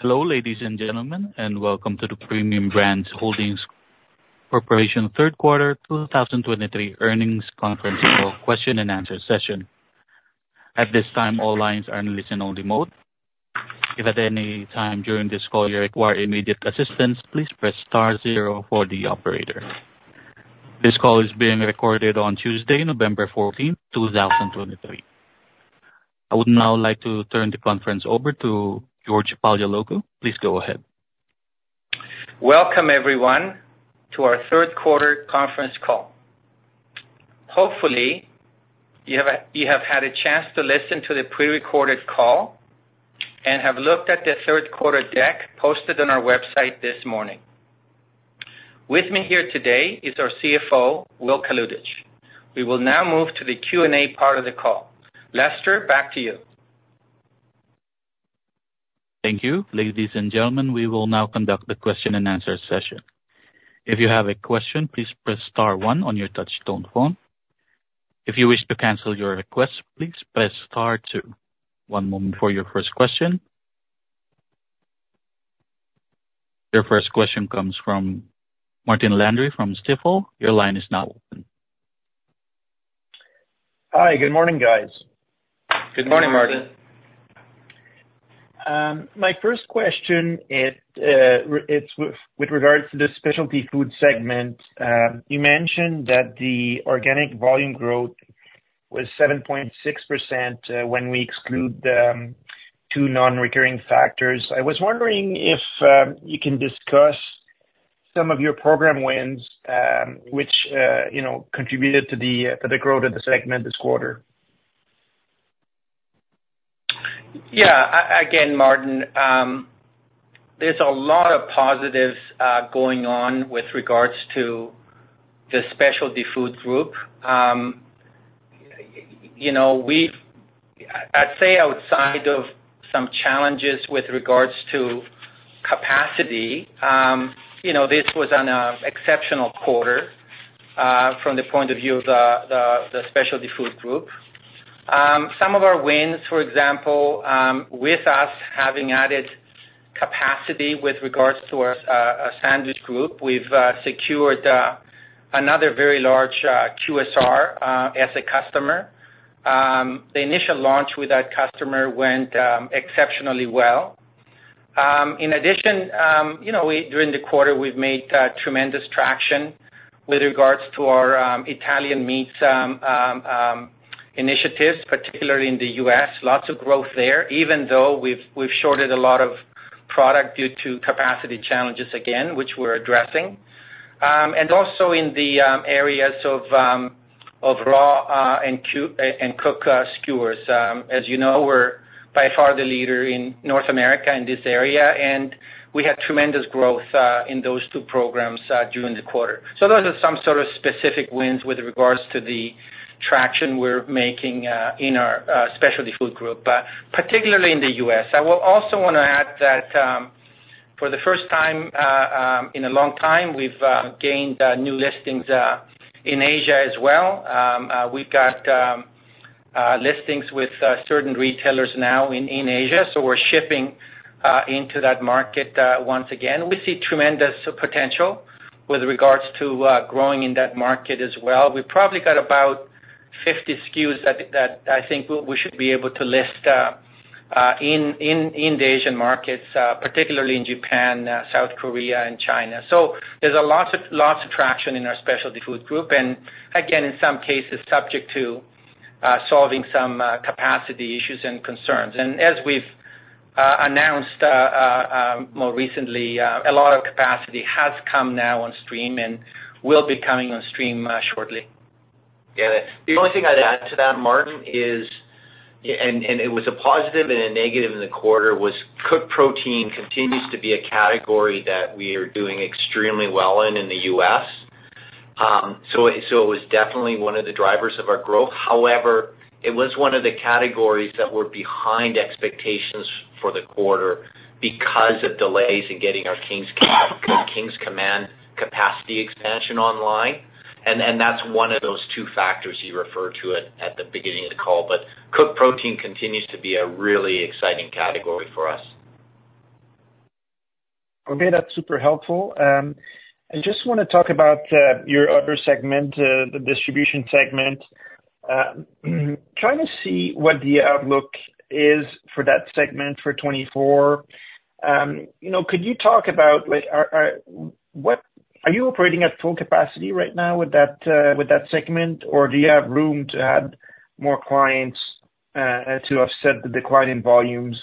Hello, ladies and gentlemen, and welcome to the Premium Brands Holdings Corporation third quarter 2023 earnings conference call question and answer session. At this time, all lines are in listen only mode. If at any time during this call you require immediate assistance, please press star zero for the operator. This call is being recorded on Tuesday, 14 November 2023. I would now like to turn the conference over to George Paleologou. Please go ahead. Welcome everyone to our third quarter conference call. Hopefully, you have had a chance to listen to the prerecorded call and have looked at the third quarter deck posted on our website this morning. With me here today is our CFO, Will Kalutycz. We will now move to the Q&A part of the call. Lester, back to you. Thank you. Ladies and gentlemen, we will now conduct the question and answer session. If you have a question, please press star one on your touchtone phone. If you wish to cancel your request, please press star two. One moment for your first question. Your first question comes from Martin Landry from Stifel. Your line is now open. Hi. Good morning, guys. Good morning, Martin. My first question it's with regards to the specialty food segment. You mentioned that the organic volume growth was 7.6% when we exclude the two non-recurring factors. I was wondering if you can discuss some of your program wins, which you know contributed to the growth of the segment this quarter? Yeah. Again, Martin, there's a lot of positives going on with regards to the specialty food group. You know, I'd say outside of some challenges with regards to capacity, you know, this was an exceptional quarter from the point of view of the specialty food group. Some of our wins, for example, with us having added capacity with regards to our sandwich group, we've secured another very large QSR as a customer. The initial launch with that customer went exceptionally well. In addition, you know, during the quarter, we've made tremendous traction with regards to our Italian meats initiatives, particularly in the U.S. Lots of growth there, even though we've shorted a lot of product due to capacity challenges, again, which we're addressing. And also in the areas of raw and cooked skewers. As you know, we're by far the leader in North America in this area, and we had tremendous growth in those two programs during the quarter. So those are some sort of specific wins with regards to the traction we're making in our specialty food group, particularly in the U.S., I will also want to add that, for the first time, in a long time, we've gained new listings in Asia as well. We've got listings with certain retailers now in Asia, so we're shipping into that market once again. We see tremendous potential with regards to growing in that market as well. We've probably got about 50 SKUs that I think we should be able to list in the Asian markets, particularly in Japan, South Korea, and China. So there's lots of traction in our specialty food group, and again, in some cases, subject to solving some capacity issues and concerns. And as we've announced more recently, a lot of capacity has come now on stream and will be coming on stream shortly. Yeah. The only thing I'd add to that, Martin, is and it was a positive and a negative in the quarter, was cooked protein continues to be a category that we are doing extremely well in the U.S. So it was definitely one of the drivers of our growth. However, it was one of the categories that were behind expectations for the quarter because of delays in getting our King's Command capacity expansion online. And that's one of those two factors you referred to at the beginning of the call. But cooked protein continues to be a really exciting category for us. Okay, that's super helpful. I just want to talk about your other segment, the distribution segment. Trying to see what the outlook is for that segment for 2024. You know, could you talk about, like, are you operating at full capacity right now with that segment? Or do you have room to add more clients to offset the decline in volumes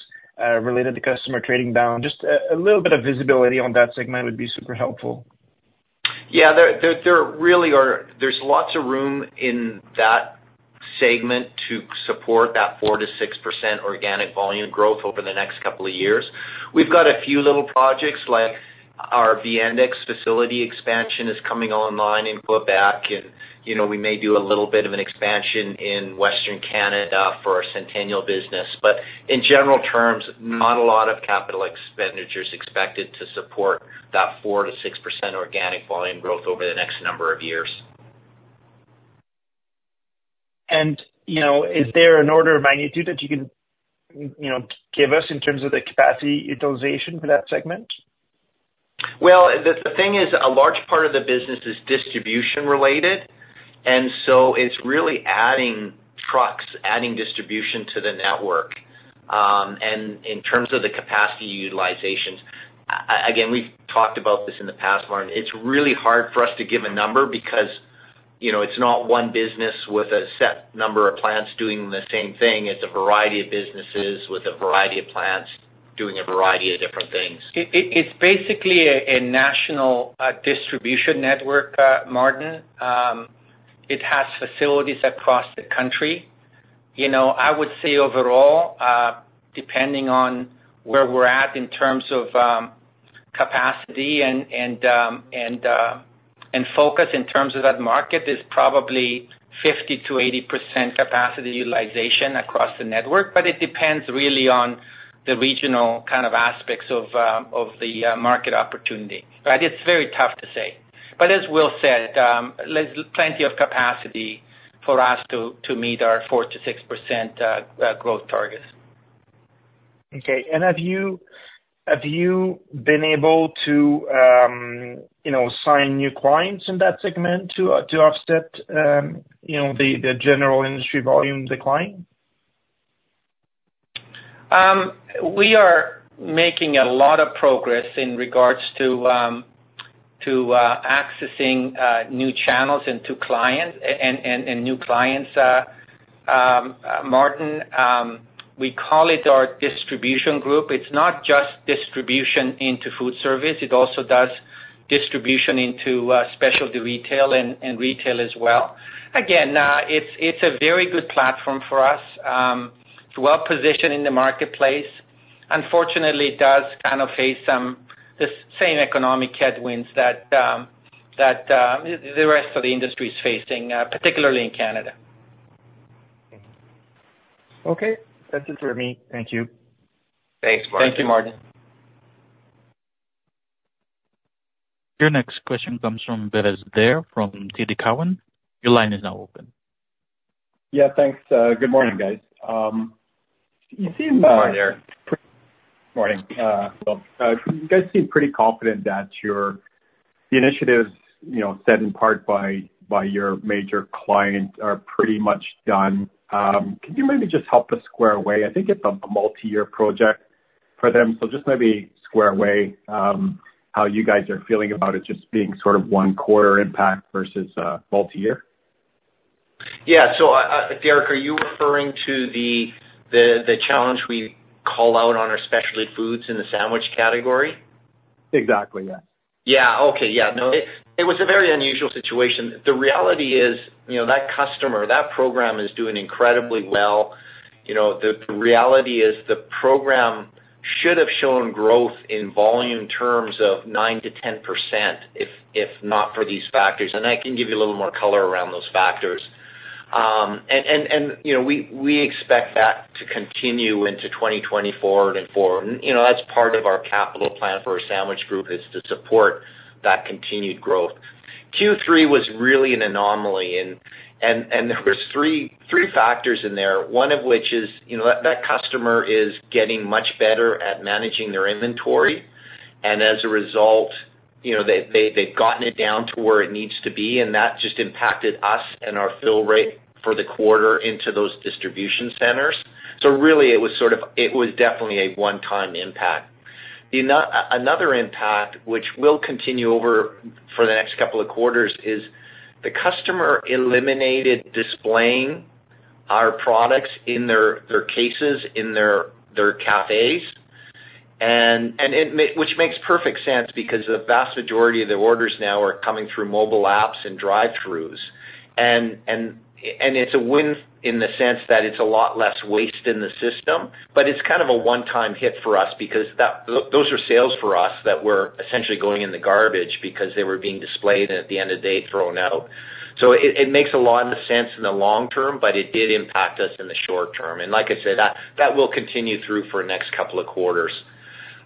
related to customer trading down? Just a little bit of visibility on that segment would be super helpful. Yeah. There really are. There's lots of room in that segment to support that 4%-6% organic volume growth over the next couple of years. We've got a few little projects, like our Index facility expansion is coming online in Quebec, and, you know, we may do a little bit of an expansion in Western Canada for our Centennial business. But in general terms, not a lot of capital expenditures expected to support that 4%-6% organic volume growth over the next number of years. You know, is there an order of magnitude that you can, you know, give us in terms of the capacity utilization for that segment? Well, the thing is, a large part of the business is distribution related, and so it's really adding trucks, adding distribution to the network. In terms of the capacity utilizations, again, we've talked about this in the past, Martin. It's really hard for us to give a number because, you know, it's not one business with a set number of plants doing the same thing. It's a variety of businesses with a variety of plants doing a variety of different things. It's basically a national distribution network, Martin. It has facilities across the country. You know, I would say overall, depending on where we're at in terms of capacity and focus in terms of that market, is probably 50%-80% capacity utilization across the network, but it depends really on the regional kind of aspects of the market opportunity. But it's very tough to say. But as Will said, there's plenty of capacity for us to meet our 4%-6% growth targets. Okay. And have you been able to, you know, sign new clients in that segment to offset, you know, the general industry volume decline? We are making a lot of progress in regards to accessing new channels into clients and new clients, Martin. We call it our distribution group. It's not just distribution into food service, it also does distribution into specialty retail and retail as well. Again, it's a very good platform for us. It's well positioned in the marketplace. Unfortunately, it does kind of face some the same economic headwinds that the rest of the industry is facing, particularly in Canada. Okay. That's it for me. Thank you. Thanks, Martin. Thank you, Martin. Your next question comes from Derek Lessard from TD Cowen. Your line is now open. Yeah, thanks. Good morning, guys. You seem, Hi, Derek. Morning. So, you guys seem pretty confident that the initiatives, you know, set in part by, by your major clients are pretty much done. Can you maybe just help us square away? I think it's a multi-year project for them, so just maybe square away, how you guys are feeling about it just being sort of one quarter impact versus, multi-year. Yeah. So, Derek, are you referring to the challenge we call out on our specialty foods in the sandwich category? Exactly, yes. Yeah. Okay. Yeah. No, it was a very unusual situation. The reality is, you know, that customer, that program is doing incredibly well. You know, the reality is the program should have shown growth in volume terms of 9%-10%, if not for these factors, and I can give you a little more color around those factors. And, you know, we expect that to continue into 2020 forward, and for... You know, that's part of our capital plan for our sandwich group, is to support that continued growth. Q3 was really an anomaly, and there was three factors in there. One of which is, you know, that customer is getting much better at managing their inventory, and as a result, you know, they've gotten it down to where it needs to be, and that just impacted us and our fill rate for the quarter into those distribution centers. So really, it was definitely a one-time impact. Another impact, which will continue over for the next couple of quarters, is the customer eliminated displaying our products in their cases, in their cafes. And which makes perfect sense because the vast majority of the orders now are coming through mobile apps and drive-thrus. It's a win in the sense that it's a lot less waste in the system, but it's kind of a one-time hit for us because those are sales for us that were essentially going in the garbage because they were being displayed, and at the end of the day, thrown out. So it makes a lot of sense in the long term, but it did impact us in the short term. And like I said, that will continue through for the next couple of quarters.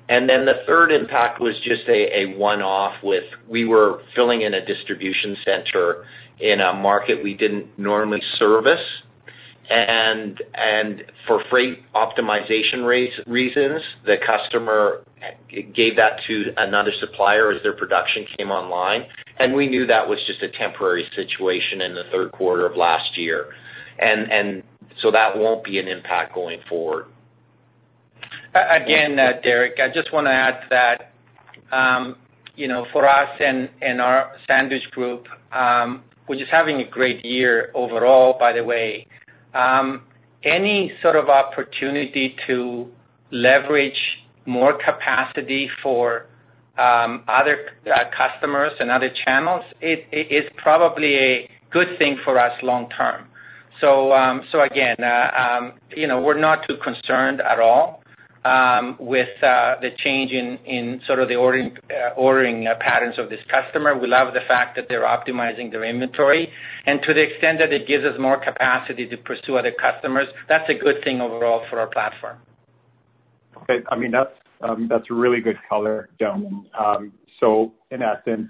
And then the third impact was just a one-off with we were filling in a distribution center in a market we didn't normally service. For freight optimization reasons, the customer gave that to another supplier as their production came online, and we knew that was just a temporary situation in the third quarter of last year. So that won't be an impact going forward. Again, Derek, I just wanna add to that. You know, for us and our sandwich group, which is having a great year overall, by the way, any sort of opportunity to leverage more capacity for other customers and other channels, it is probably a good thing for us long term. So, again, you know, we're not too concerned at all with the change in sort of the ordering patterns of this customer. We love the fact that they're optimizing their inventory, and to the extent that it gives us more capacity to pursue other customers, that's a good thing overall for our platform. Okay, I mean, that's, that's really good color, George. So in essence,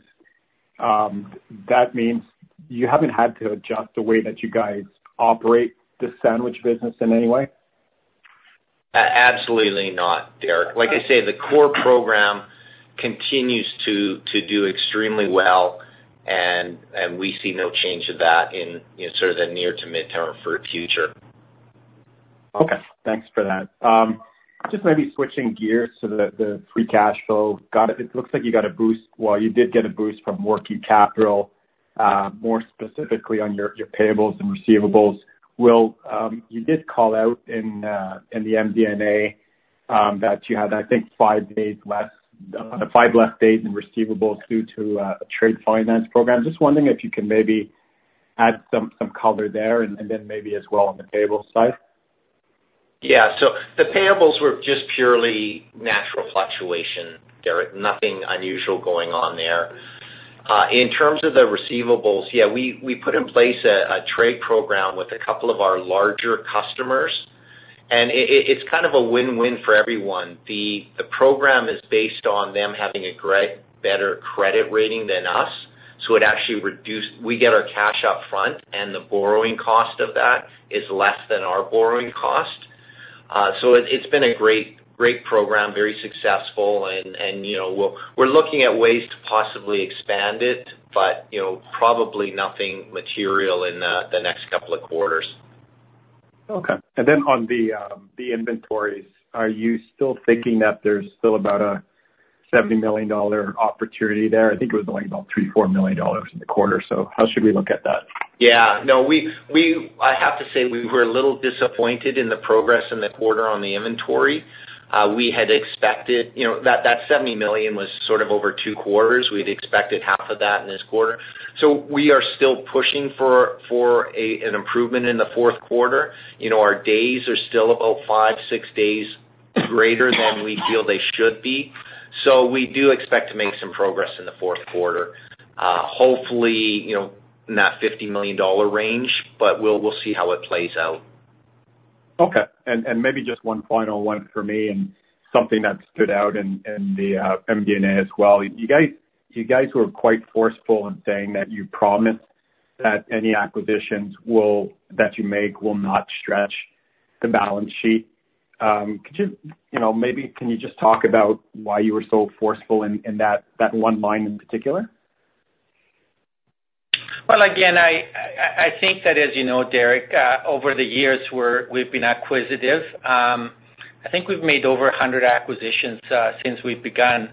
that means you haven't had to adjust the way that you guys operate the sandwich business in any way? Absolutely not, Derek. Like I say, the core program continues to do extremely well, and we see no change in that in, you know, sort of the near to midterm for the future. Okay, thanks for that. Just maybe switching gears to the free cash flow. Got it. It looks like you got a boost—Well, you did get a boost from working capital, more specifically on your payables and receivables. Will, you did call out in the MD&A that you had, I think, five days less, five less days in receivables due to trade finance program. Just wondering if you can maybe add some color there and then maybe as well on the payable side. Yeah, so the payables were just purely natural fluctuation, Derek. Nothing unusual going on there. In terms of the receivables, yeah, we put in place a trade program with a couple of our larger customers, and it's kind of a win-win for everyone. The program is based on them having a greater, better credit rating than us, so it actually reduce... We get our cash up front, and the borrowing cost of that is less than our borrowing cost. So it's been a great program, very successful and, you know, we're looking at ways to possibly expand it, but, you know, probably nothing material in the next couple of quarters. Okay. Then on the inventories, are you still thinking that there's still about a 70 million dollar opportunity there? I think it was only about 3 million-4 million dollars in the quarter, so how should we look at that? Yeah. No, I have to say, we were a little disappointed in the progress in the quarter on the inventory. We had expected, you know, that 70 million was sort of over two quarters. We'd expected half of that in this quarter. So we are still pushing for an improvement in the fourth quarter. You know, our days are still about five to six days greater than we feel they should be. So we do expect to make some progress in the fourth quarter. Hopefully, you know, in that 50 million dollar range, but we'll see how it plays out. Okay. And, and maybe just one final one for me, and something that stood out in, in the, MD&A as well. You guys, you guys were quite forceful in saying that you promised that any acquisitions will-that you make will not stretch the balance sheet. Could you, you know, maybe can you just talk about why you were so forceful in, in that, that one line in particular? Well, again, I think that, as you know, Derek, over the years, we've been acquisitive. I think we've made over 100 acquisitions since we've begun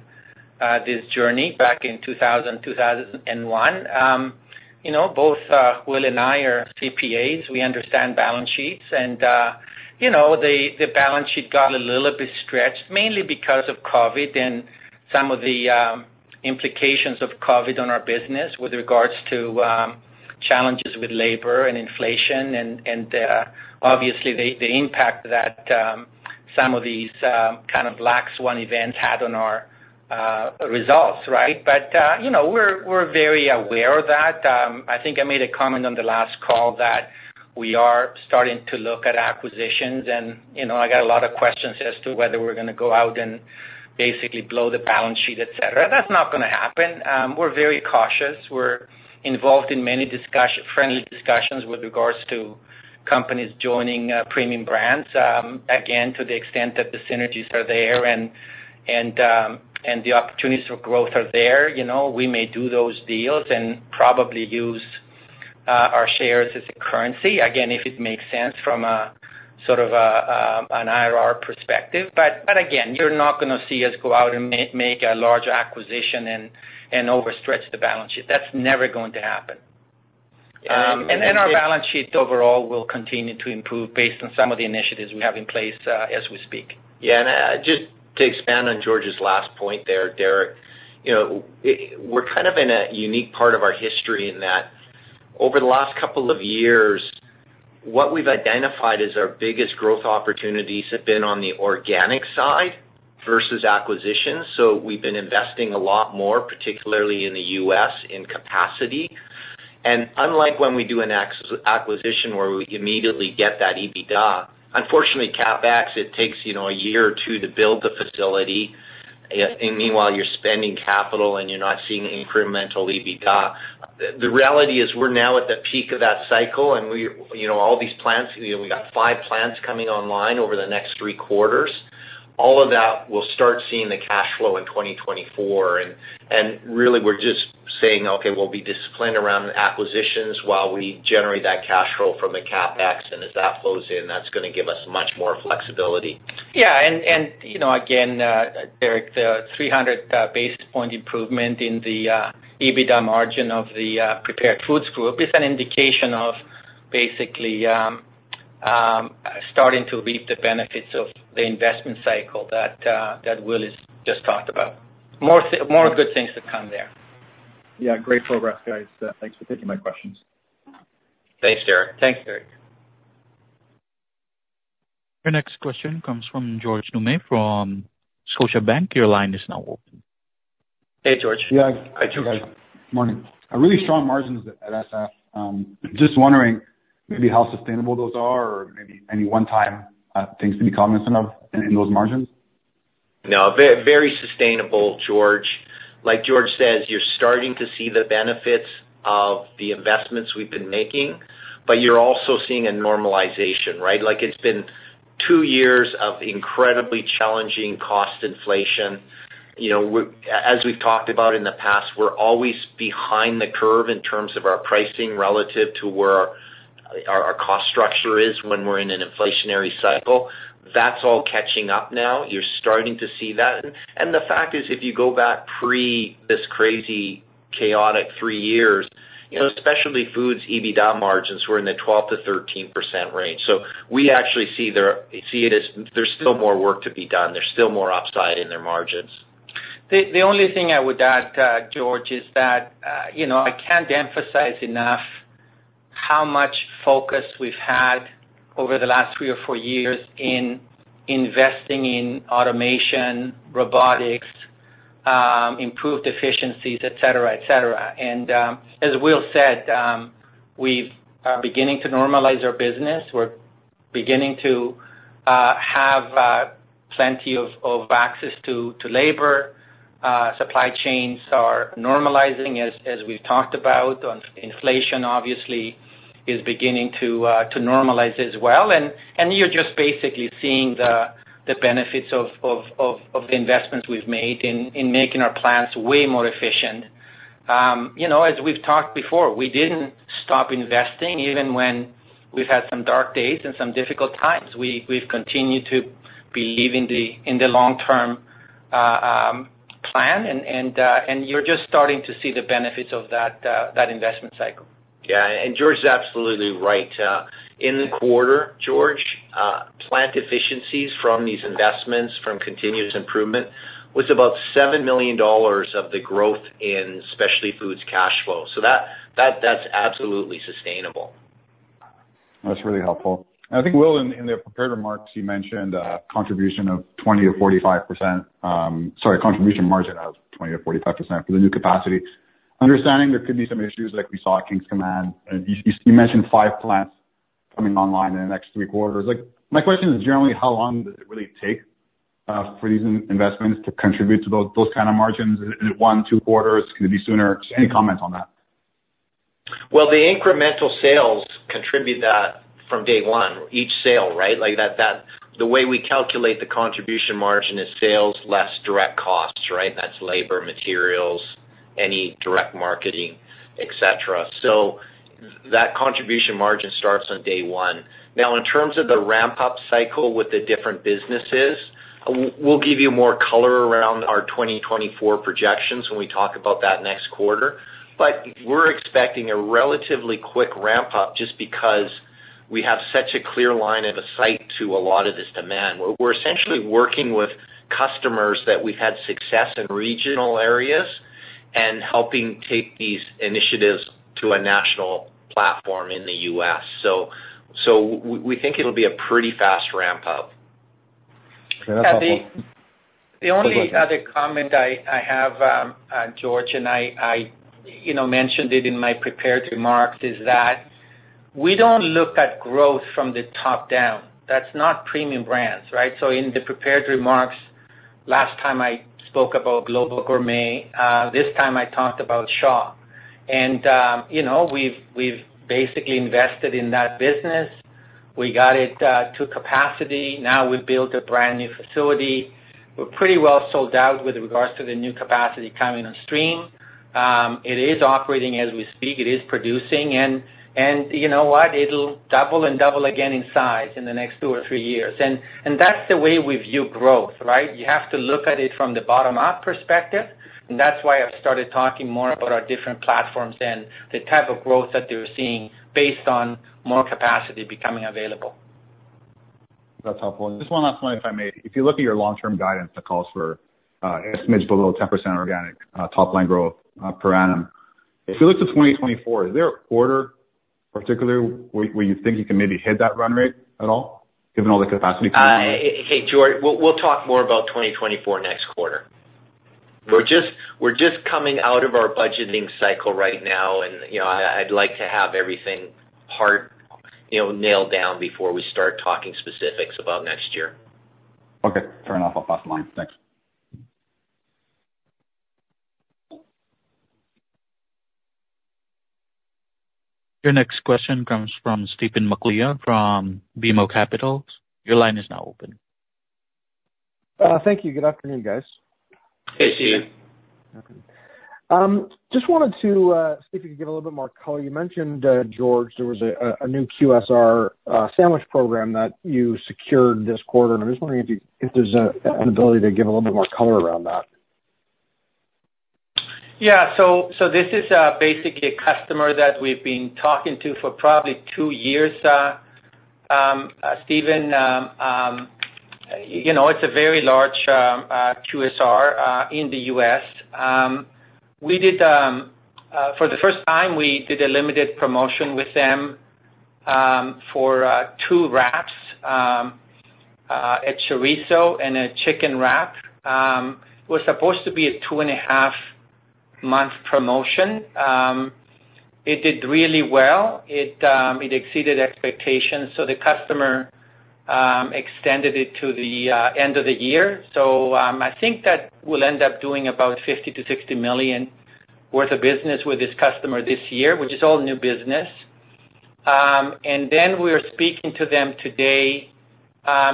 this journey back in 2001. You know, both Will and I are CPAs. We understand balance sheets and, you know, the balance sheet got a little bit stretched, mainly because of COVID and some of the implications of COVID on our business with regards to challenges with labor and inflation and, obviously, the impact that some of these kind of black swan events had on our results, right? But, you know, we're very aware of that. I think I made a comment on the last call that we are starting to look at acquisitions. You know, I got a lot of questions as to whether we're gonna go out and basically blow the balance sheet, et cetera. That's not gonna happen. We're very cautious. We're involved in many discussion-friendly discussions with regards to companies joining Premium Brands. Again, to the extent that the synergies are there and the opportunities for growth are there, you know, we may do those deals and probably use our shares as a currency, again, if it makes sense from a sort of an IRR perspective. But again, you're not gonna see us go out and make a large acquisition and overstretch the balance sheet. That's never going to happen. And then our balance sheet overall will continue to improve based on some of the initiatives we have in place, as we speak. Yeah, and just to expand on George's last point there, Derek, you know, we're kind of in a unique part of our history in that over the last couple of years, what we've identified as our biggest growth opportunities have been on the organic side versus acquisitions. So we've been investing a lot more, particularly in the U.S., in capacity. And unlike when we do an acquisition where we immediately get that EBITDA, unfortunately, CapEx, it takes, you know, a year or two to build the facility. And meanwhile, you're spending capital, and you're not seeing incremental EBITDA. The reality is we're now at the peak of that cycle, and we, you know, all these plants, you know, we got five plants coming online over the next three quarters. All of that will start seeing the cash flow in 2024. And really, we're just saying, "Okay, we'll be disciplined around the acquisitions while we generate that cash flow from the CapEx, and as that flows in, that's gonna give us much more flexibility. Yeah, and you know, again, Derek, the 300 basis point improvement in the EBITDA margin of the prepared foods group is an indication of basically starting to reap the benefits of the investment cycle that that Will has just talked about. More good things to come there. Yeah, great progress, guys. Thanks for taking my questions. Thanks, Derek. Thanks, Derek. Your next question comes from George Doumet from Scotiabank. Your line is now open. Hey, George. Yeah. Hi, George. Morning. A really strong margins at SF. Just wondering maybe how sustainable those are or maybe any one time things to be cognizant of in those margins? No, very sustainable, George. Like George says, you're starting to see the benefits of the investments we've been making, but you're also seeing a normalization, right? Like, it's been two years of incredibly challenging cost inflation. You know, as we've talked about in the past, we're always behind the curve in terms of our pricing relative to where our cost structure is when we're in an inflationary cycle. That's all catching up now. You're starting to see that. And the fact is, if you go back pre this crazy, chaotic three years, you know, especially Foods EBITDA margins were in the 12%-13% range. So we actually see there, see it as there's still more work to be done. There's still more upside in their margins. The only thing I would add, George, is that, you know, I can't emphasize enough how much focus we've had over the last three or four years in investing in automation, robotics, improved efficiencies, et cetera, et cetera. And, as Will said, we are beginning to normalize our business. We're beginning to have plenty of access to labor. Supply chains are normalizing, as we've talked about. On inflation, obviously, is beginning to normalize as well. And you're just basically seeing the benefits of the investments we've made in making our plants way more efficient. You know, as we've talked before, we didn't stop investing even when we've had some dark days and some difficult times. We've continued to believe in the long-term plan, and you're just starting to see the benefits of that investment cycle. Yeah, and George is absolutely right. In the quarter, George, plant efficiencies from these investments, from continuous improvement, was about 7 million dollars of the growth in specialty foods cash flow. So that, that, that's absolutely sustainable. That's really helpful. I think, Will, in the prepared remarks, you mentioned a contribution of 20%-45%, sorry, contribution margin of 20%-45% for the new capacity. Understanding there could be some issues like we saw at King's Command, and you mentioned five plants coming online in the next three quarters. Like, my question is generally, how long does it really take for these investments to contribute to those kind of margins? Is it one, two quarters? Could it be sooner? Any comments on that? Well, the incremental sales contribute that from day one, each sale, right? Like, that. The way we calculate the contribution margin is sales less direct costs, right? That's labor, materials, any direct marketing, et cetera. So that contribution margin starts on day one. Now, in terms of the ramp-up cycle with the different businesses, we'll give you more color around our 2024 projections when we talk about that next quarter. But we're expecting a relatively quick ramp-up just because we have such a clear line of sight to a lot of this demand, where we're essentially working with customers that we've had success in regional areas and helping take these initiatives to a national platform in the U.S., So we think it'll be a pretty fast ramp-up. Okay, that's helpful. The only other comment I have, George, and I, you know, mentioned it in my prepared remarks, is that we don't look at growth from the top down. That's not Premium Brands, right? So in the prepared remarks, last time I spoke about Global Gourmet, this time I talked about Shaw. And, you know, we've basically invested in that business. We got it to capacity. Now, we've built a brand-new facility. We're pretty well sold out with regards to the new capacity coming on stream. It is operating as we speak. It is producing, and you know what? It'll double and double again in size in the next two or three years. And that's the way we view growth, right? You have to look at it from the bottom-up perspective, and that's why I've started talking more about our different platforms and the type of growth that they're seeing based on more capacity becoming available. That's helpful. Just one last one, if I may. If you look at your long-term guidance, that calls for estimates below 10% organic top line growth per annum. If you look to 2024, is there a quarter particularly where you think you can maybe hit that run rate at all, given all the capacity? Hey, George. We'll talk more about 2024 next quarter. We're just coming out of our budgeting cycle right now, and, you know, I'd like to have everything hard, you know, nailed down before we start talking specifics about next year. Okay, fair enough. I'll pass the line. Thanks. Your next question comes from Stephen MacLeod, from BMO Capital. Your line is now open. Thank you. Good afternoon, guys. Hey, Stephen. Just wanted to see if you could give a little bit more color. You mentioned, George, there was a new QSR sandwich program that you secured this quarter, and I'm just wondering if there's an ability to give a little bit more color around that. Yeah. So this is basically a customer that we've been talking to for probably two years, Stephen. You know, it's a very large QSR in the U.S. We did, for the first time, we did a limited promotion with them, for two wraps: a chorizo and a chicken wrap, was supposed to be a two and a half month promotion. It did really well. It exceeded expectations, so the customer extended it to the end of the year. So I think that we'll end up doing about $50 million-$60 million worth of business with this customer this year, which is all new business. And then we are speaking to them today,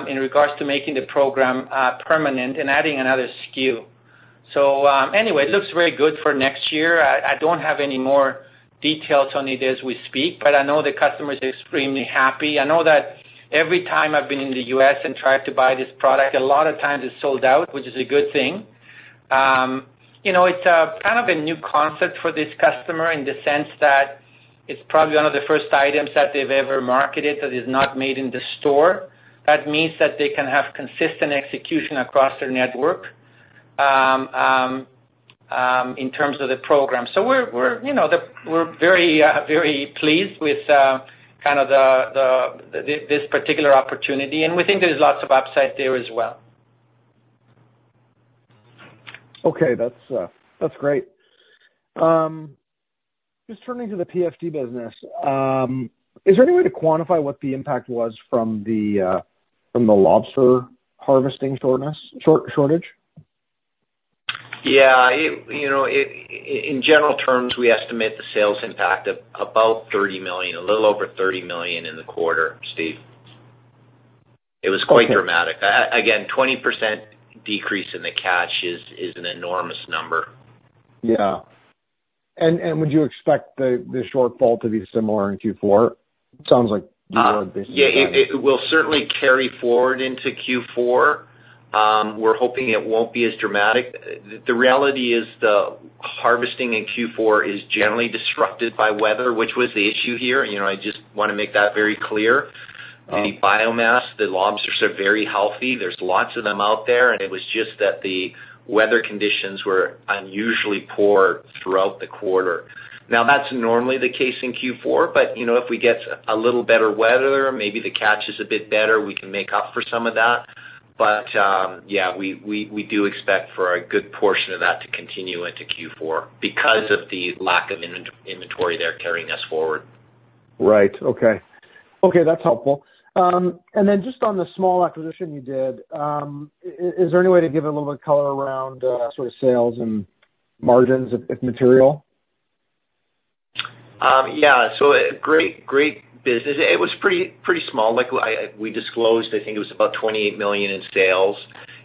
in regards to making the program permanent and adding another SKU. So, anyway, it looks very good for next year. I, I don't have any more details on it as we speak, but I know the customer is extremely happy. I know that every time I've been in the U.S. and tried to buy this product, a lot of times it's sold out, which is a good thing. You know, it's a kind of a new concept for this customer in the sense that it's probably one of the first items that they've ever marketed that is not made in the store. That means that they can have consistent execution across their network, in terms of the program. So we're, we're, you know, we're very, very pleased with, kind of the, the, this, this particular opportunity, and we think there's lots of upside there as well. Okay. That's, that's great. Just turning to the PFD business, is there any way to quantify what the impact was from the lobster harvesting shortage? Yeah, you know, in general terms, we estimate the sales impact of about 30 million, a little over 30 million in the quarter, Steve. Okay. It was quite dramatic. Again, 20% decrease in the catch is an enormous number. Yeah. And would you expect the shortfall to be similar in Q4? It sounds like you are basically saying. Yeah, it will certainly carry forward into Q4. We're hoping it won't be as dramatic. The reality is the harvesting in Q4 is generally disrupted by weather, which was the issue here. You know, I just want to make that very clear. Okay. The biomass, the lobsters are very healthy. There's lots of them out there, and it was just that the weather conditions were unusually poor throughout the quarter. Now, that's normally the case in Q4, but, you know, if we get a little better weather, maybe the catch is a bit better, we can make up for some of that. But, yeah, we do expect for a good portion of that to continue into Q4. Right. because of the lack of inventory there carrying us forward. Right. Okay. Okay, that's helpful. And then just on the small acquisition you did, is there any way to give a little bit of color around, sort of sales and margins, if material? Yeah, so great, great business. It was pretty, pretty small. Like, we disclosed, I think it was about 28 million in sales.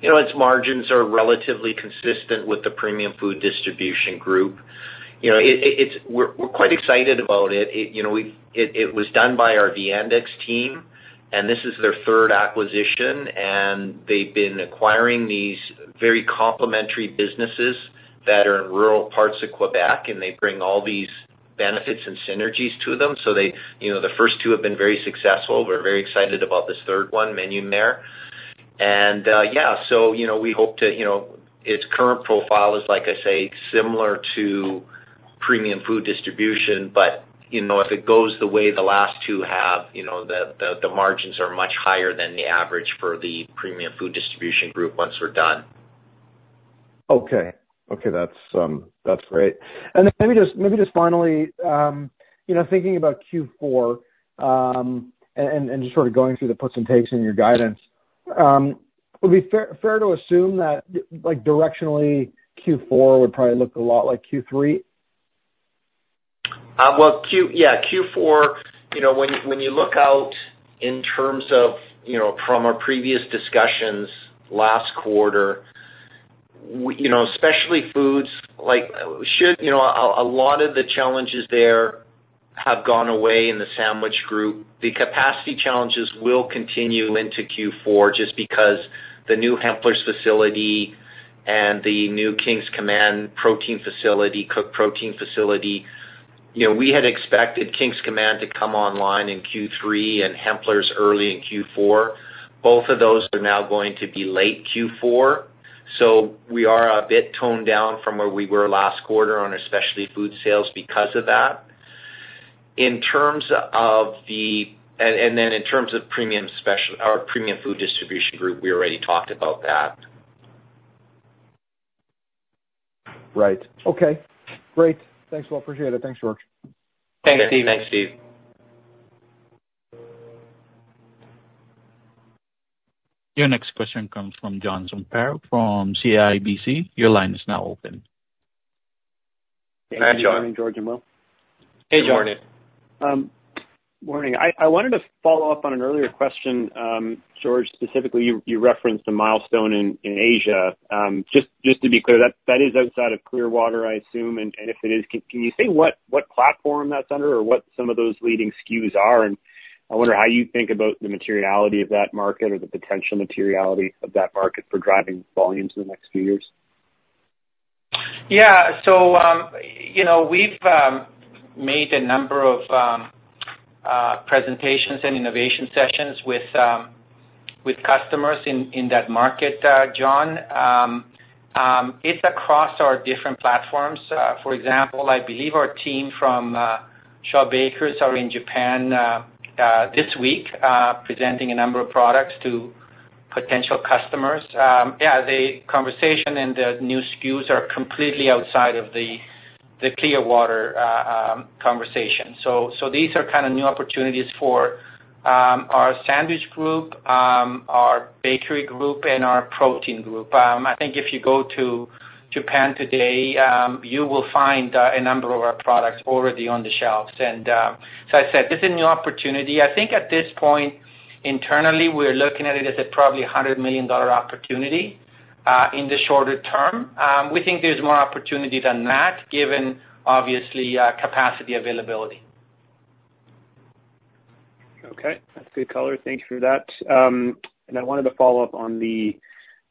You know, its margins are relatively consistent with the premium food distribution group. You know, it's. We're quite excited about it. It was done by our Index team, and this is their third acquisition, and they've been acquiring these very complementary businesses that are in rural parts of Quebec, and they bring all these benefits and synergies to them. So, you know, the first two have been very successful. We're very excited about this third one, Menu-Mer. And, yeah, so, you know, we hope to, you know. Its current profile is, like I say, similar to premium food distribution, but, you know, if it goes the way the last two half, you know, the margins are much higher than the average for the premium food distribution group once we're done. Okay. Okay, that's, that's great. And then maybe just, maybe just finally, you know, thinking about Q4, and, and just sort of going through the puts and takes in your guidance, would it be fair to assume that, like, directionally, Q4 would probably look a lot like Q3? Well, Q4, you know, when you look out in terms of, you know, from our previous discussions last quarter, you know, especially on the food side, you know, a lot of the challenges there have gone away in the sandwich group. The capacity challenges will continue into Q4 just because the new Hempler's facility and the new King's Command protein facility, cooked protein facility, you know, we had expected King's Command to come online in Q3 and Hempler's early in Q4. Both of those are now going to be late Q4, so we are a bit toned down from where we were last quarter on, especially food sales because of that. In terms of premium specialty, our premium food distribution group, we already talked about that. Right. Okay, great. Thanks. Well, appreciate it. Thanks, George. Thanks, Stephen. Thanks, Stephen. Your next question comes from John Zamparo from CIBC. Your line is now open. Hi, John. Good morning, George and Will. Hey, George. Good morning. Morning. I wanted to follow up on an earlier question, George, specifically, you referenced a milestone in Asia. Just to be clear, that is outside of Clearwater, I assume. And if it is, can you say what platform that's under or what some of those leading SKUs are? And I wonder how you think about the materiality of that market or the potential materiality of that market for driving volumes in the next few years. Yeah. So, you know, we've made a number of presentations and innovation sessions with customers in that market, John. It's across our different platforms. For example, I believe our team from Shaw Bakers are in Japan this week presenting a number of products to potential customers. Yeah, the conversation and the new SKUs are completely outside of the Clearwater conversation. So, these are kind of new opportunities for our sandwich group, our bakery group, and our protein group. I think if you go to Japan today, you will find a number of our products already on the shelves. And, so I said, this is a new opportunity. I think at this point, internally, we're looking at it as probably a 100 million dollar opportunity in the shorter term. We think there's more opportunity than that, given obviously, capacity availability. Okay, that's good color. Thank you for that. And I wanted to follow up on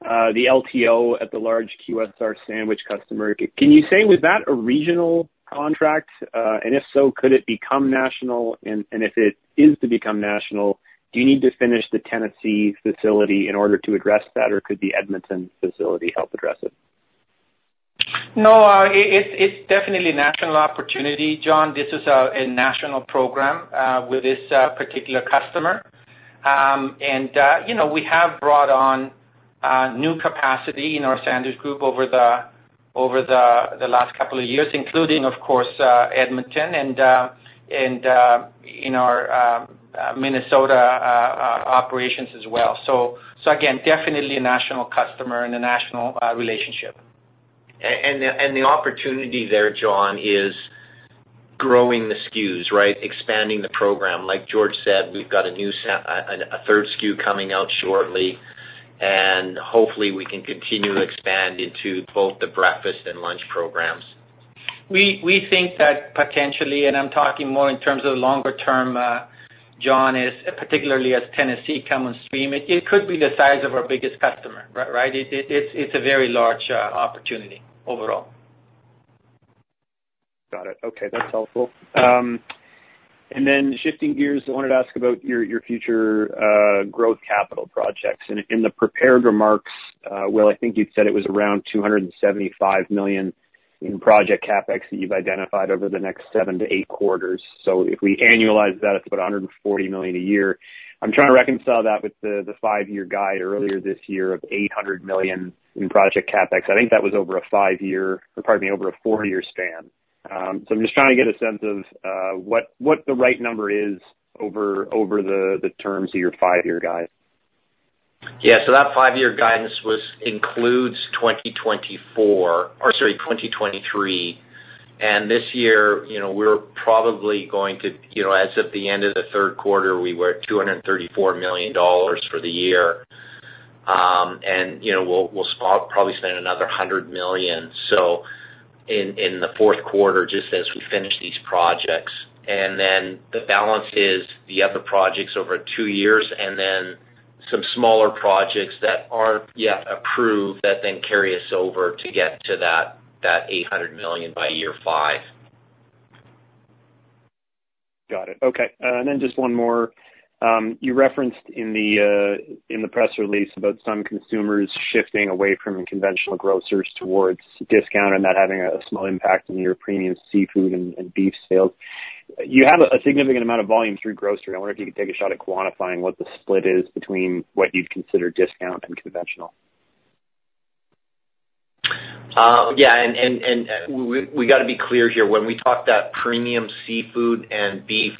the LTO at the large QSR sandwich customer. Can you say, was that a regional contract? And if so, could it become national? And if it is to become national, do you need to finish the Tennessee facility in order to address that, or could the Edmonton facility help address it? No, it's definitely a national opportunity, John. This is a national program with this particular customer. And you know, we have brought on new capacity in our sandwich group over the last couple of years, including, of course, Edmonton and in our Minnesota operations as well. So again, definitely a national customer and a national relationship. And the opportunity there, John, is growing the SKUs, right? Expanding the program. Like George said, we've got a new third SKU coming out shortly, and hopefully we can continue to expand into both the breakfast and lunch programs. We think that potentially, and I'm talking more in terms of longer term, John, is particularly as Tennessee come on stream, it could be the size of our biggest customer, right? It’s a very large opportunity overall. Got it. Okay, that's helpful. And then shifting gears, I wanted to ask about your future growth capital projects. In the prepared remarks, Will, I think you'd said it was around 275 million in project CapEx that you've identified over the next seven to eight quarters. So if we annualize that, it's about 140 million a year. I'm trying to reconcile that with the five year guide earlier this year of 800 million in project CapEx. I think that was over a five year, pardon me, over a four year span. So I'm just trying to get a sense of what the right number is over the terms of your five year guide. Yeah, so that five year guidance was includes 2024 or sorry, 2023. And this year, you know, we're probably going to, you know, as of the end of the third quarter, we were at 234 million dollars for the year. And, you know, we'll probably spend another 100 million. So in the fourth quarter, just as we finish these projects, and then the balance is the other projects over two years, and then some smaller projects that aren't yet approved, that then carry us over to get to that 800 million by year five. Got it. Okay, and then just one more. You referenced in the, in the press release about some consumers shifting away from conventional grocers towards discount and not having a small impact on your premium seafood and, and beef sales. You have a significant amount of volume through grocery. I wonder if you could take a shot at quantifying what the split is between what you'd consider discount and conventional. Yeah, we gotta be clear here. When we talked that premium seafood and beef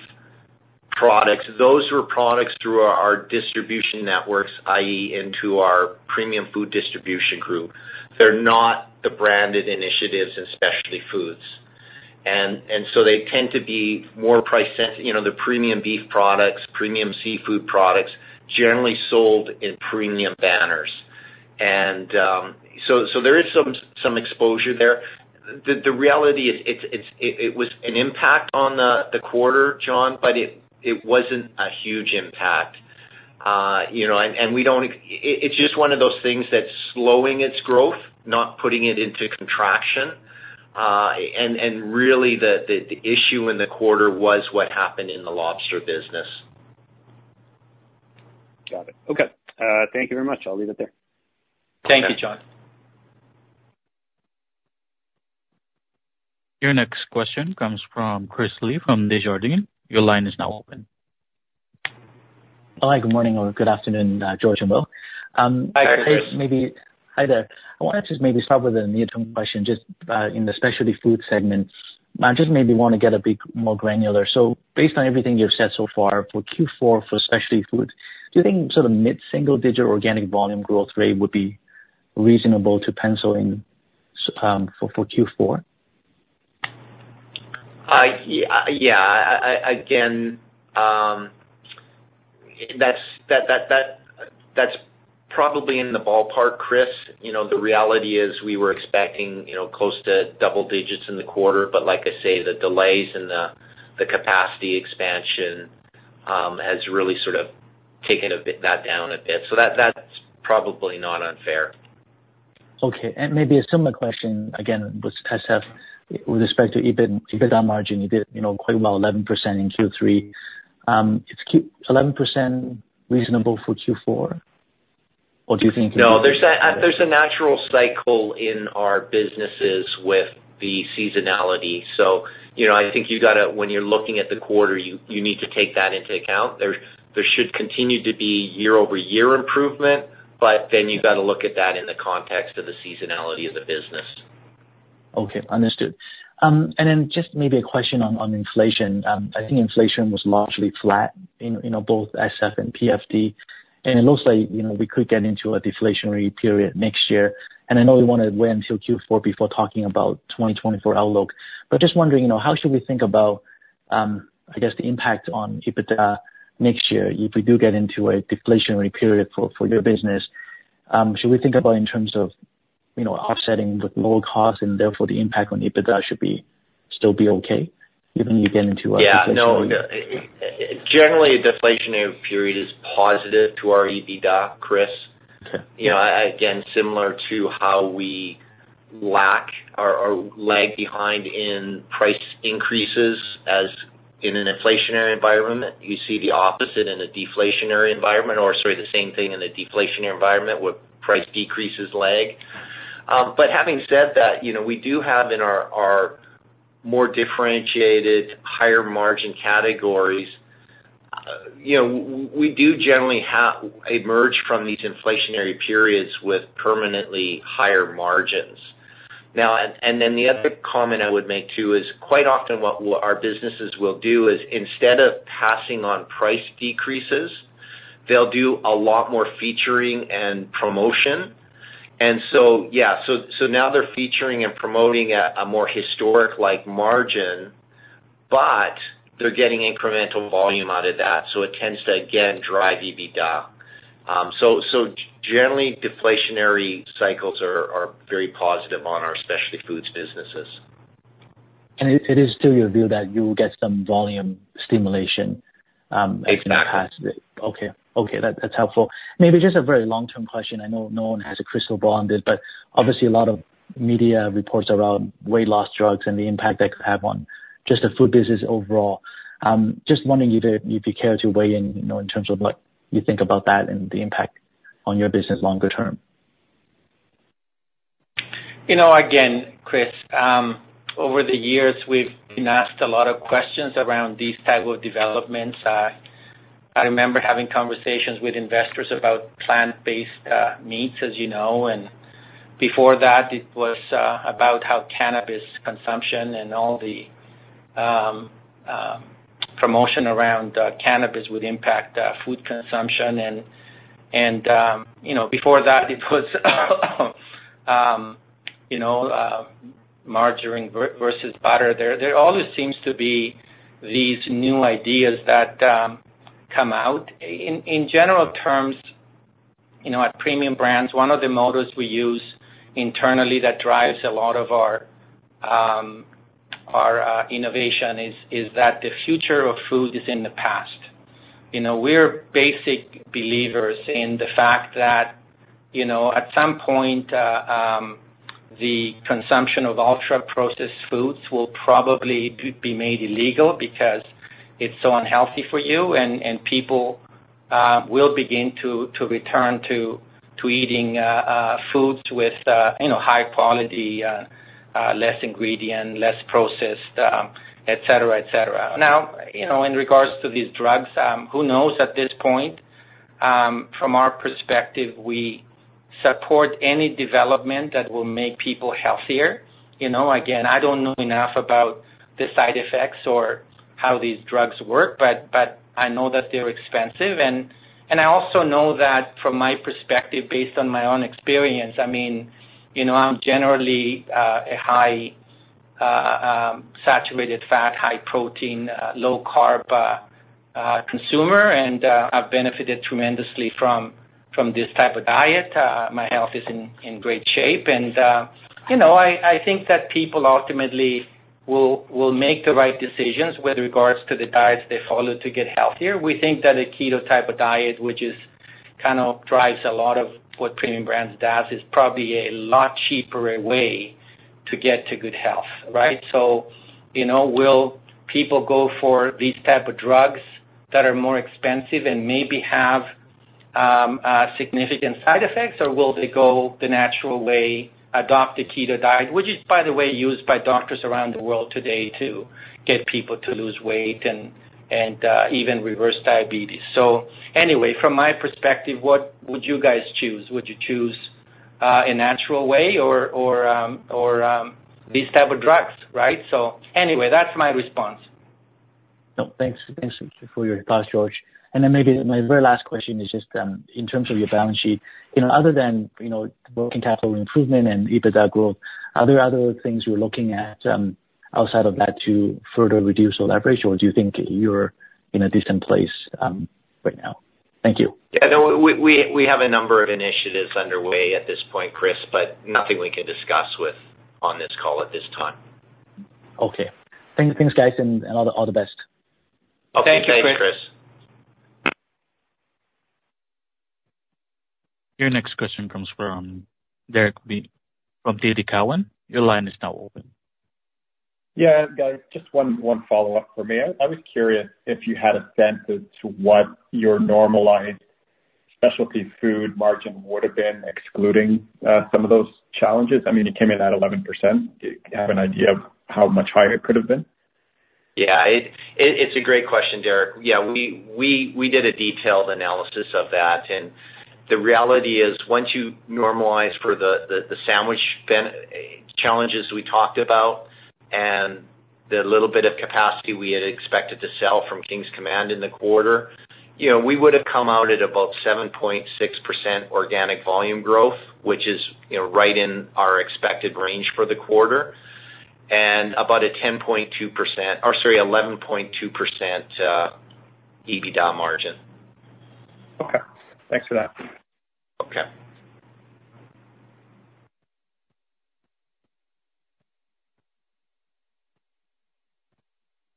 products, those were products through our distribution networks, i.e., into our premium food distribution group. They're not the branded initiatives and specialty foods. And so they tend to be more price sensitive, you know, the premium beef products, premium seafood products, generally sold in premium banners. And so there is some exposure there. The reality is it was an impact on the quarter, John, but it wasn't a huge impact. You know, and we don't—it's just one of those things that's slowing its growth, not putting it into contraction. And really, the issue in the quarter was what happened in the lobster business. Got it. Okay, thank you very much. I'll leave it there. Thank you, John. Your next question comes from Chris Li from Desjardins. Your line is now open. Hi, good morning or good afternoon, George and Will. Hi, Chris. Maybe... Hi there. I wanna just maybe start with a near-term question, just, in the specialty food segment. I just maybe wanna get a bit more granular. So based on everything you've said so far, for Q4, for specialty food, do you think sort of mid-single digit organic volume growth rate would be reasonable to pencil in, for, for Q4? Yeah. Again, that's probably in the ballpark, Chris. You know, the reality is, we were expecting, you know, close to double digits in the quarter, but like I say, the delays in the capacity expansion has really sort of taken a bit that down a bit. So that's probably not unfair. Okay, and maybe a similar question again, with respect to EBIT, EBITDA margin. You did, you know, quite well, 11% in Q3. Is 11% reasonable for Q4? No, there's a natural cycle in our businesses with the seasonality. So, you know, I think you gotta, when you're looking at the quarter, you need to take that into account. There should continue to be year-over-year improvement, but then you've got to look at that in the context of the seasonality of the business. Okay, understood. And then just maybe a question on inflation. I think inflation was largely flat in, you know, both SF and PFD, and it looks like, you know, we could get into a deflationary period next year. And I know we wanna wait until Q4 before talking about 2024 outlook. But just wondering, you know, how should we think about, I guess, the impact on EBITDA next year if we do get into a deflationary period for your business? Should we think about in terms of, you know, offsetting with lower costs and therefore the impact on EBITDA should be still okay, even if you get into a deflationary? Yeah, no, generally, a deflationary period is positive to our EBITDA, Chris. You know, again, similar to how we lack or lag behind in price increases, as in an inflationary environment, you see the opposite in a deflationary environment, or sorry, the same thing in a deflationary environment where price decreases lag. But having said that, you know, we do have in our more differentiated, higher margin categories, you know, we do generally have emerged from these inflationary periods with permanently higher margins. Now, and then the other comment I would make, too, is quite often what our businesses will do is instead of passing on price decreases, they'll do a lot more featuring and promotion. Yeah, so now they're featuring and promoting a more historic-like margin, but they're getting incremental volume out of that, so it tends to, again, drive EBITDA. So generally, deflationary cycles are very positive on our specialty foods businesses. It is still your view that you will get some volume stimulation, if not passed? Yes. Okay. Okay, that, that's helpful. Maybe just a very long-term question. I know no one has a crystal ball on this, but obviously a lot of media reports around weight loss drugs and the impact that could have on just the food business overall. Just wondering if you, if you care to weigh in, you know, in terms of what you think about that and the impact on your business longer term. You know, again, Chris, over the years, we've been asked a lot of questions around these type of developments. I remember having conversations with investors about plant-based meats, as you know, and before that, it was about how cannabis consumption and all the promotion around cannabis would impact food consumption. And you know, before that, it was margarine versus butter. There always seems to be these new ideas that come out. In general terms, you know, at Premium Brands, one of the mottos we use internally that drives a lot of our innovation is that the future of food is in the past. You know, we're basic believers in the fact that, you know, at some point, the consumption of ultra-processed foods will probably be made illegal because it's so unhealthy for you, and people will begin to return to eating foods with, you know, high quality, less ingredient, less processed, et cetera, et cetera. Now, you know, in regards to these drugs, who knows at this point? From our perspective, we support any development that will make people healthier. You know, again, I don't know enough about the side effects or how these drugs work, but, but I know that they're expensive, and, and I also know that from my perspective, based on my own experience, I mean, you know, I'm generally a high saturated fat, high protein, low carb consumer, and I've benefited tremendously from, from this type of diet. My health is in great shape, and you know, I think that people ultimately will make the right decisions with regards to the diets they follow to get healthier. We think that a keto type of diet, which is kind of drives a lot of what Premium Brands does, is probably a lot cheaper a way to get to good health, right? So, you know, will people go for these type of drugs that are more expensive and maybe have significant side effects, or will they go the natural way, adopt a keto diet, which is, by the way, used by doctors around the world today to get people to lose weight and even reverse diabetes. So anyway, from my perspective, what would you guys choose? Would you choose a natural way or these type of drugs, right? So anyway, that's my response. No, thanks. Thanks for your advice, George. Maybe my very last question is just, in terms of your balance sheet, you know, other than, you know, working capital improvement and EBITDA growth, are there other things you're looking at, outside of that to further reduce the leverage ratio, or do you think you're in a decent place, right now? Thank you. Yeah, no, we have a number of initiatives underway at this point, Chris, but nothing we can discuss with on this call at this time. Okay. Thanks, guys, and all the best. Thank you, Chris. Thanks, Chris. Your next question comes from Derek Lessard from TD Cowen. Your line is now open. Yeah, guys, just one follow-up for me. I was curious if you had a sense as to what your normalized specialty food margin would have been, excluding some of those challenges. I mean, it came in at 11%. Do you have an idea of how much higher it could have been? Yeah, it's a great question, Derek. Yeah, we did a detailed analysis of that, and the reality is, once you normalize for the sandwich challenges we talked about and the little bit of capacity we had expected to sell from King's Command in the quarter, you know, we would have come out at about 7.6% organic volume growth, which is, you know, right in our expected range for the quarter, and about a 10.2% or, sorry, 11.2% EBITDA margin. Okay. Thanks for that. Okay.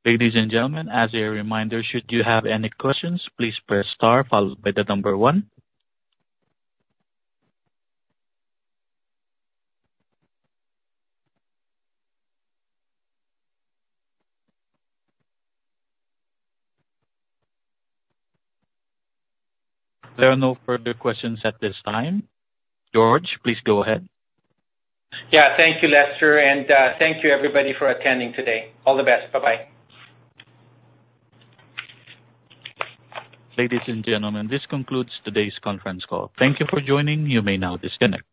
Ladies and gentlemen, as a reminder, should you have any questions, please press star followed by the number one. There are no further questions at this time. George, please go ahead. Yeah. Thank you, Lester, and thank you everybody for attending today. All the best. Bye-bye. Ladies and gentlemen, this concludes today's conference call. Thank you for joining. You may now disconnect.